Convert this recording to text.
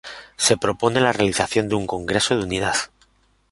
Se propone la realización de un Congreso de unidad.